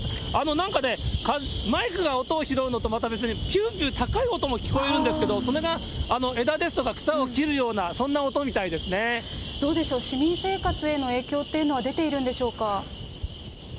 なんかね、マイクが音を拾うのとまた別に、きゅーきゅー高い音が聞こえるんですけれども、それが枝ですとか、どうでしょう、市民生活への影響っていうのは出ているんでしょうか？